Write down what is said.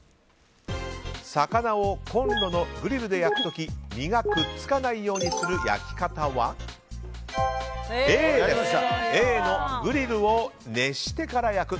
魚をコンロのグリルで焼く時身がくっつかないようにする焼き方はＡのグリルを熱してから焼く。